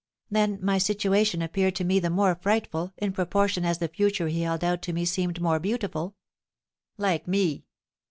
"Then my situation appeared to me the more frightful, in proportion as the future he held out to me seemed more beautiful." "Like me?"